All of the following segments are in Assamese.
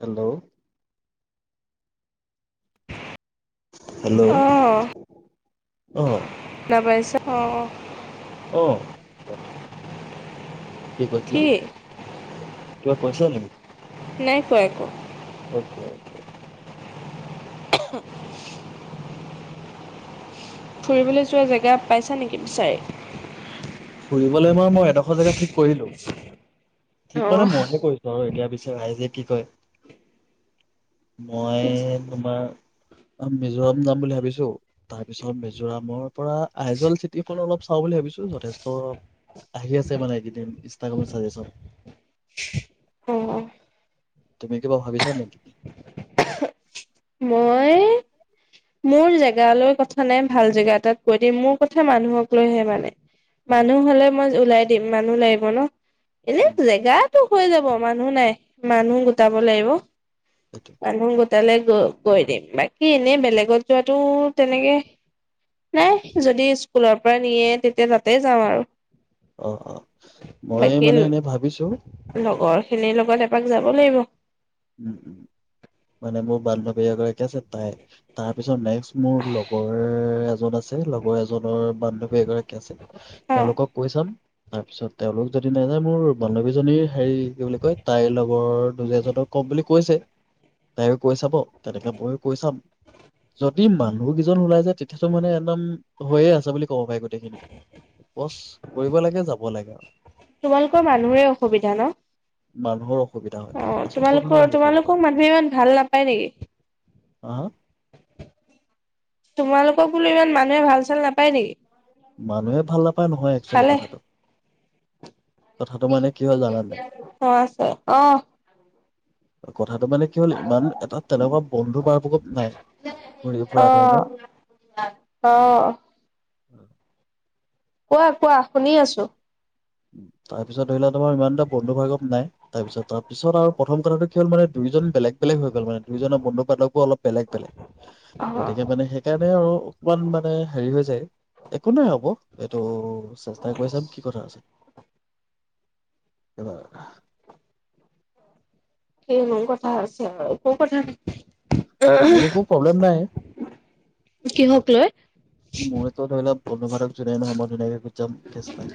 হেল্ল' হেল্ল' অ অ শুনাপাইছা। অঁ অঁ অ। কি কছিল ন। কিবা কৈছা নেকি। নাই কোৱা একো একো। Okay okay. হে ফুৰিবলৈ যোৱা জেগা পাইছা নেকি বিচাৰে। ফুৰিব মই মই। এডখৰ জগা ঠিক কৰিলো। ঠিক মানে অহ মইহে কৈছো আৰু। ইয়া পাছত ৰাইজে কি কয় মই তোমাৰ মিজোৰাম যাম বুলি ভাবিছো তাৰপিছত মিজোৰামৰ পৰা আইজল চিটিখন অলপ চাওঁ বুলি ভাবিছো যথেষ্ট। ত আহি আছে মানে এইকেইদিন ইনষ্টাগ্ৰামতাজেন অঁ তুমি কিবা ভাবিছা নেকি। মই মোৰ জেগালৈ কথা নাই ভাল জেগা এটাত কৈ দিম মোৰ কথা মানুহক লৈহে মানে অ মানুহ হ'লে মই ওলাই দিম মানুহ লাগিব ন এনেই উম জেগা তো হৈ যাব মানুহ নাই মানুহ গোটাব লাগিব সেইটোৱে মানু্হ তালৈ গ কৈ দিম বাকী এনেই বেলেগত যোৱাতটো তেনেকে নাই যদি স্কুলৰ পৰা নিয়ে তেতিয়া তাতে যাওঁ আৰু অ অ মই মানে বাকী এনে ভাবিছো লগৰ খিনিৰ লগত এপাক যাব লাগিব উ উম মানে মোৰ বান্ধৱী এগৰাকী আছে তাই তাৰ পিছত নেক্সট মোৰ লগৰ এজন আছে লগৰ এজন ৰ বান্ধৱী এগৰাকী আছে তেওঁলোকক কৈ চাম তাৰপিছত তেওঁলোক যদি নাযায় মোৰ বান্ধৱীজনীৰ হেৰি কি বুলি কয় তাইৰ লগত দুলিয়াজানত কম বুলি কৈছে তায়ো কৈ চাব তেনেকে মইয়ো কৈ চাম যদি মানুহ কেইজন ওলাই যায় তেতিয়াতো মানে একদম হৈয়ে আছে বুলি। ক পাই গোটেইখিনি বছ কৰিব লাগে যাব লাগে আৰু তোমালোকৰ মানুহৰে অসুবিধা ন মানুহৰ অসুবিধা হয় অ আচল তোমালোকৰ প্ৰব্লেমটো সেইটোৱে তোমালোকক মানুহে ইমান ভাল নাপায় নেকি? হা হা তোমালোকক বোলে ইমান মানুহে ভাল চাল নাপায় নেকি? মানুহে ভাল নাপায় নহয় একচোৱেলি খালে কথাটো কথাটো মানে কি হয় জানা নাই অ আচে আহ ক [unintelligible] কথাটো মানে কি হ'ল ইমান এটা তেনেকুৱা বন্ধু বাৰ প্ৰকত নাই ঘূৰি অ ফুৰা ধৰণৰ অ উম কোৱা কোৱা শুনি আছো উ তাৰ পিছত ধৰি ল তোমাৰ ইমানটা বন্ধুভাৰ্গৰ নাই তাৰপিছত তাৰ পিছত আৰু প্ৰথম কথাটো কি হ'ল মানে দুয়োজন বেলেগ বেলেগ হৈ গ'ল মানে দুয়োজনৰ বন্ধু বান্ধৱোৰ অলপ বেলেগ বেলেগ অ গতিকে মানে সেইকাৰণে আৰু অকণমান মানে হেৰি হৈ যায়। একো নাই হব এইটো চেষ্টা কৰি চাম কি কথা আছে ক সেই ইমান কথা আছে আৰু ক কথা মোৰ একো প্ৰব্লেম নাই কিহক লৈ মোৰতো ধৰি লোৱা বন্ধু বান্ধৱ জুনেই নহয় মই ধুনীয়াকে যাম কেচ নাই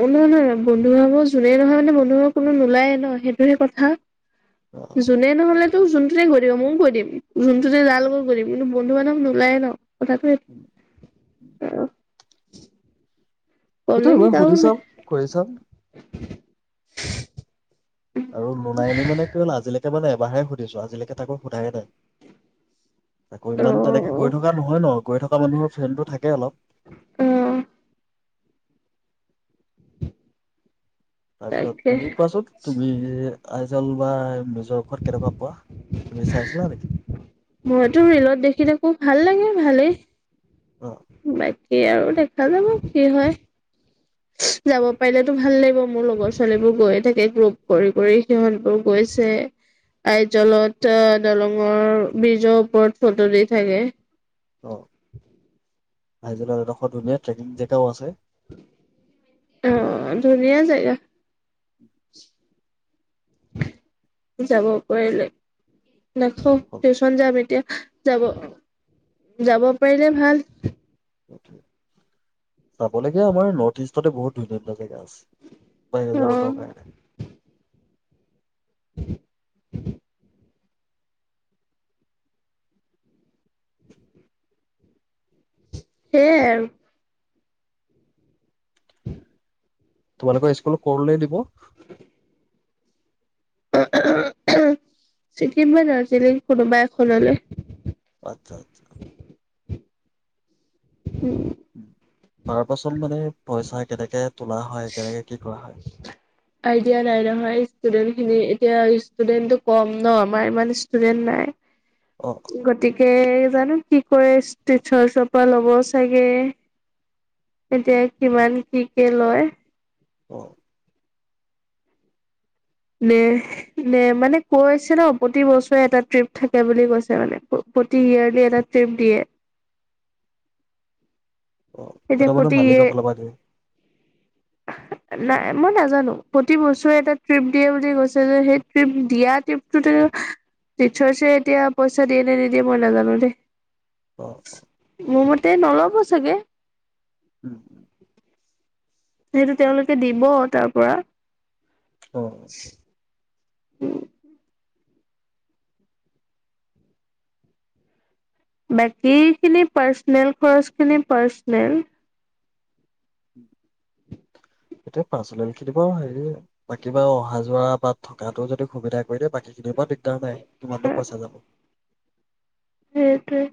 অ নহয় নহয় বন্ধু ভাগৰ যোনেই নহয় মানে বন্ধু ত কোনো নোলায়ে ন সেইটোহে কথা অ যোনে নহলে ত যোনটোতে গৈ দিব ময়ো গৈ দিম যোনটোতে যাৰু লগত গৈ দিম কিন্তু বন্ধু বান্ধৱ নোলায়ে ন কথাটো সেইটো এ আৰু [unintelligible] সেইটো এবাৰ সুধি চাও কৰি চাও [unintelligible] আৰু মোনাইলি মানে কি হ'ল আজিলৈকে মানে এবাৰহে সুধিছো আজিলৈকে তাকো সোধায়ে নাই আকৌ অ ইমান তেনেকে গৈ থকা নহয় ন গৈ থকা মানুহৰ ফ্ৰেণ্ডটো থাকে অলপ অ তাকে তাৰপিছত তুমি কোৱাচোন তুমি নমবাৰ নেকি মইতো ৰলত দেখি থাকো ভাল লাগে ভালেই অ বাকী আৰু দেখা যাব কি হয় যাব পাৰিলেতো ভাল লাগিব মোৰ লগৰ ছোৱালীবোৰ গৈয়ে থাকে গ্ৰুপ কৰি কৰি সিহঁতবোৰ গৈছে আইজলত দলঙৰ ব্ৰীজৰ ওপৰত ফটো দি থাকে অহ । হাইজডোখৰ ধুনীয়া ট্ৰেকিং জেগকাও আছে আহ ধুনীয়া জেগা উম যাব পাৰিলে । দেখ টিউচন যাম এতিয়া যাব -যাব পাৰিলে ভাল। চাবলগীয়া আমাৰ নৰ্থ ইষ্টতে বহুত ধুনীয়া- ধুনীয়া জেগা আছে। অ প ককাইে [inaudible] সেইয়াই আৰু তোমালোকৰ স্কুল কলে দিব। আঁহ ', অহ', ছিকিম বা দাৰ্জিলিং কোনোবা এখন হলে আচ্ছা- আচ্ছা তাৰ পাছত মানে পইচা কেনেকে তোলা হয় কেনেকে কি কৰা হয়। আইডিয়া নাই নহয় ষ্টুডেন্ট খিনি এতিয়া ষ্টুডেন্টটো কম ন আমাৰ ইমান ষ্টুডেন্ট নাই। অ গতিকে জানো কি কৰে ষ্টিচৰ চৰপা লব চাগে এতিয়া কিমান কি কে লয়। অ', নে - নে মানে কৈ আছে ন প্ৰতি বছৰে এটা ট্ৰিপ থাকে বুলি কৈছে মানে প্ৰতি ইয়াৰলি এটা ট্ৰিপ দিয়ে। অ ', এতিয়া কেইটামানৰ প্ৰতি মালিকৰ ইয়ে ফালৰ পৰা দিয়ে। নাই মই নাজানো প্ৰতি বছৰে এটা ট্ৰিপ দিয়ে বুলি কৈছে যে সেই ট্ৰিপ দিয়া ট্ৰিপটো টিচৰচে এতিয়া পইচা দিয়ে নে নিদিয়ে মই নাজানো অ দেই। মম তে নল'ব চাগে উম সেইটো তেওঁলোকে দিব তাৰ পৰা অ [inaudible] উম বাকী খিনি পাৰ্চনেল খৰচ খিনি পাৰ্চনেল এতিয়া পাচনেল খিনি বাৰু হেৰি বাকী বাও অহা যোৱা বা থকাাতটো যদি সুবিধা কৰি দিয়ে বাকী খিনি ইমান দিগদাৰ নাই কিমানো পইচা যাব সেইটোৱে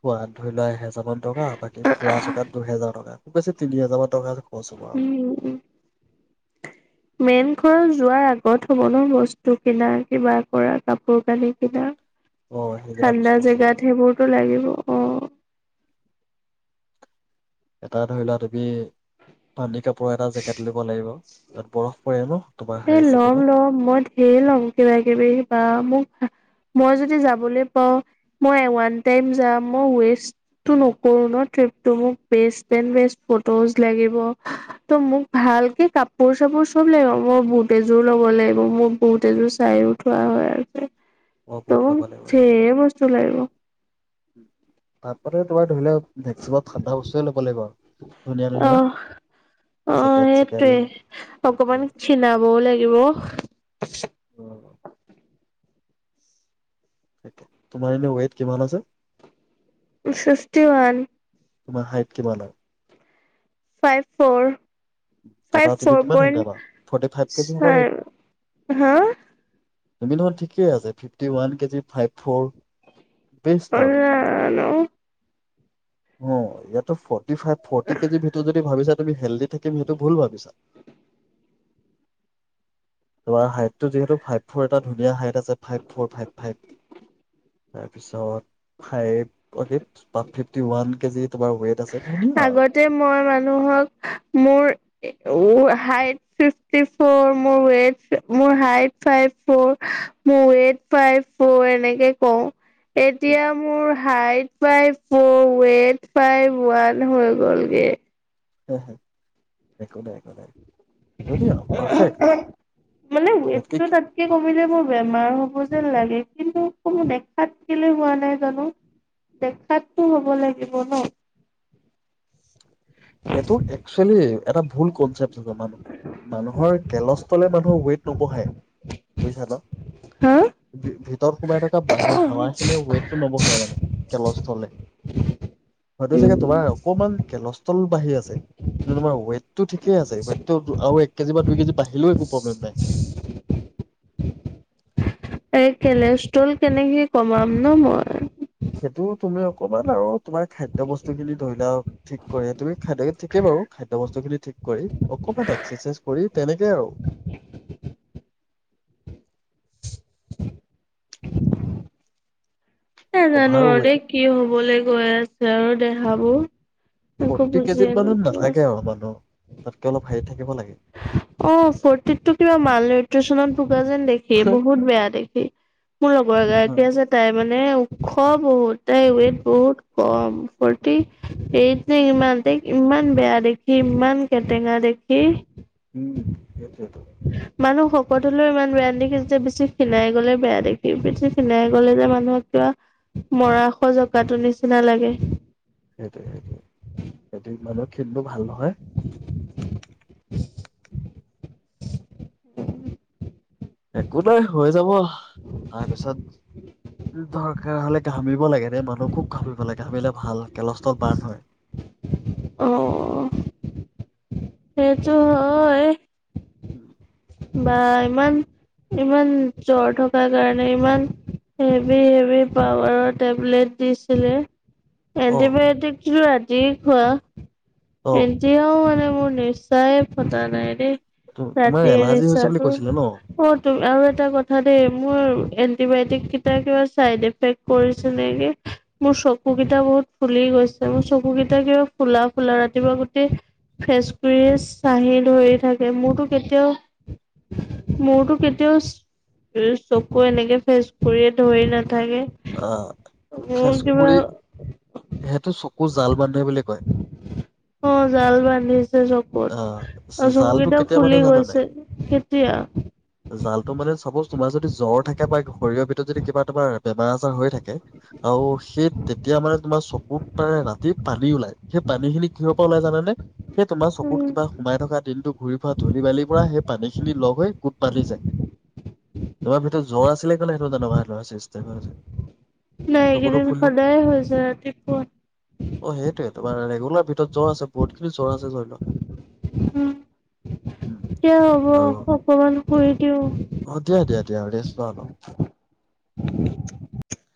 খোৱা ধৰি লোৱা এহেজাৰ কিমান টকা বাকী ফুৰা চকাত দুহেজাৰ টকা খুব বেছি তিনি হাজাৰ টকা যাব উম উম মেইন খৰজ যোৱাৰ আগত হব ন বস্তু কিনা কিবা কৰা কাপোৰ কানি কিনা অ' সেইকেইটা ঠাণ্ডা বস্তু আছে বাৰু জেগাত সেইবোৰতো লাগিব অ এটা ধৰি লোৱা তুমি পানী কাপোৰৰ এটা জেকেট লব লাগিব তাৰপৰা এ ল'ম ল'ম মই ঢেৰ ল'ম কিবা কিবি বা মোক মই যদি যাবলৈ পাও মই‌ ওৱান টায়েম যাম মই ওৱেটো নকৰোন টিপ টো মোক চ ল মই বুত এযোৰ ল'ব লাগিব মোৰ বহুত এযোৰ চাইো থোৱা হয় আছে অ ত' বহুত মোক ল'ব লাগিব ধেৰ বস্তু লাগিব অহ তাৰপ ত ধৰিলেও ভেক্সিত ঠান্দা বস্তুৱে ল'ব লাগিব ধুনীয়া ধুনীয়া অহ জেকেট চেকেল সেইটোৱে অকমান খীণাবও লাগিব তোমাৰ এনে ৱেট কিমান আছে চিচটি ওৱান তোমাৰ হাইট কিমান আৰু ফাইভ ফ'ৰ তাৰপা ফাইভ তুমি ফৰ কিমান পই হেৰি ন পাবা ফৰ্টি ফাইভ কেজি হ'ব নেকি হা তুমি দেখোন ঠিকেই আছা ফিভটিৱান কেজি ফাইভ ফৌৰ হ'ল জানো অহ ', ইয়াটো ফ, ফৰ্টী -ফাইভ ফৰ্টি কেজিৰ ভিতৰত যদি ভাবিছা, হেল্ডি, থাকিম সেইটো ভুল ভাবিছা, তোমাৰ হাইড টো যিহেতু ফাইভ-ফ'ৰ এটা ধুনীয়া হাইট আছে ফাইভ ফ'ৰ-ফাইভ- ফাইভ, তাৰপিছত five' forty, fifty -one KG তোমাৰ ৱেইট আছে। ধুনীয়া আৰু আগতে মই মানুহক মোৰ উ, হাইট ফিফটি -ফৰ, মোৰ ৱেট, মোৰ হাইট ফাইভ-ফৰ, মোৰ-ৱেট ফাইভ -ফৰ এনেকে কওঁ। এতিয়া মোৰ height, five -four, weight five one হৈ গ'লগে, হয় একো নাই, একো নাই। ধুনীয়া পাৰফেক্ট মানে ইয়াতকে ৱেটটো তাতকে কমিলে মোৰ বেমাৰ হব যেন লাগে। কিন্তু কোনো দেখাতকেলে হোৱা নাই জানো দেখাতটো হব লাগিব ন', সেইটো একচুৱেলি, এটা ভুল কনচেপ্ট মানুহৰ মানুহৰ কেলষ্টলে মানুহৰ ৱেইট নবহে বুজিছা ন', হা ভিতৰত সোমাই থকা সেই হাৱা-খালে খিনিৰ ৱেইটটো নবহাই মানে কেলস্থলে। হয়টো চাগে তোমাৰ অকমান, কেল বাঢ়ি আছে কিন্তু তোমাৰ ৱেইটটো ঠিকেই আছে ৱেটটো আৰু এক কেজি বা দুই কেজি বাঢ়িলেও একো প্ৰব্লেম নাই এই কেলেষ্ট্ৰল কেনেকে কমাম ন মই? সেইটো তুমি অকমান আৰু তোমাৰ খাদ্য বস্তু খিনি ধৰি লোৱা ঠিক কৰি তুমি খাদ্য ঠিকেই বাৰু খাদ্য বস্তু খিনি ঠিক কৰি অকমান এক্সাৰচাইজ কৰি তেনেকেই আৰু নে জানো অভাৰ আৰু ৱেট দেই কি হ'বলৈ গৈ আছে আৰু দেহাবোৰ একো ফৰ্টি বুজিয়ে কেজিত মানত নোপোৱা নাথাকে আৰু মানুহ তাতকে অলপ হেৰি থাকিব লাগে অহ ফুৰ্তিতটো কিবা মাল নিউট্ৰেচনত ভোগা যেন দেখি বহুত বেয়া দেখি মোৰ লগৰ অ, এগৰাকী আছে তাই মানে খোৱা বহুত তাই ৱেট বহুত কম ফৰ্টি এইট নে কিমান তাইক ইমান বেয়া দেখি ইমান কেটেঙা দেখি, উম সেইটোৱে টো মানুহ শকত হ'লেও ইমান বেয়া নেদেখি যে বেছি খিনাই গ'লে বেয়া দেখি খিনাই গ'লে যে মানুহক কিবা মৰা স জকাটো নিচিনা লাগে । সেইটোৱে সেইটোৱে সেইটো ইমানো ক্ষীণটো ভাল নহয় [inaudible] একো নাই হৈ যাব। তাৰ পিছত দৰকাৰ হলে ঘামিব লাগে নে মানুহ খুব ঘামিব লাগে ঘামিলে ভাল, কেলষ্টত বাৰ্ণ হয়। অ হ সেইটো হয়। উম বা ইমান ইমান জ্বৰ থকাৰ কাৰণে ইমান হেভি হেভি পাৱাৰৰ টেবলেট দিছিলে। অ এণ্টিবায়টিক লোৱাত খোৱা অ এতিয়াও মানে মোৰ নিচাই ফতা নাই দেই তোমাৰ? দে এলাৰ্জি নিচা হৈছে বুলি তোৰ কৈছিলে ন অ ত আৰু এটা কথা দেই মোৰ এণ্টিবায়টিক কেইটা কিবা চাইড এফেক্ট কৰিছে নেকে মোৰ চকু কেইটা বহুত ফুলি গৈছে মোৰ চকু কেইটা কিবা ফুলা ফুলা ৰাতিপুৱা গুটেই ফেচকুৰীয়ে চাহি ধৰি থাকে মোৰতো কেতিয়াও মোৰতো কেতিয়াও চকু এনেকে ফেচ কৰিয়ে ধৰি নাথাকে আহ থাকে মোৰ কিবা সেটো চকু জাল বান্ধে বুলি কয়। অ জাল বান্ধিছে আহ চকুত আৰু চকু জালটো কেইটা কেতিয়া বান্ধে ফুলি জানা নাই গৈছে কেতিয়া? জালটো মানে চাপজ তোমাৰ যদি জ্বৰ থাকে বা শৰীৰৰ ভিতৰত যদি কিবা তোমাৰ বেমাৰ আজাৰ হৈ থাকে আৰু সেই তেতিয়া মানে তোমাৰ চকুত ৰাতি পানী ওলাই সেই পানী খিনি কিহৰ পৰা ওলাই জানে নে সেই কুট উম, কিবা সোমাই থকা দিনটো ঘূৰি ফুৰা ধূলি বালিৰ পৰা সেই পানীখিনি লগ হৈ গোট বান্ধি যায়। তোমাৰ ভিতৰত জ্বৰ আছিলে কানে সেইটো তেনেকুৱা চিচতেম। নাই এইকেইদিন সদায় হৈ যায় ৰাতিপুৱা। অ সেইটোৱে তোমাৰ ৰেগুলাৰ জ্বৰ আছে বহুত খিনি জ্বৰ আছে ধৰি লও উম এতিয়া হ'ব আৰু অকমান কৈ দিওঁ কেয়াৰ লেচ, অলপ। হু